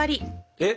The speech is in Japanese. えっ？